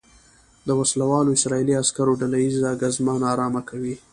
د وسلوالو اسرائیلي عسکرو ډله ییزه ګزمه نا ارامه کوي.